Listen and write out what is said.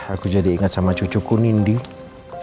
aku jadi ingat sama cucuku nindi